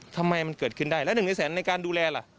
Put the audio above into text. ทำไมมันเกิดขึ้นได้แล้ว๑ในแสนในการดูแลล่ะ